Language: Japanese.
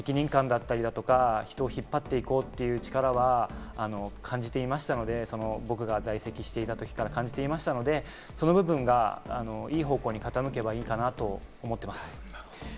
ただ責任感だったりとか、人を引っ張っていこうという力は感じていましたので、僕が在籍していたときから感じていましたので、その部分がいい方向に傾けばいいのかなと思っています。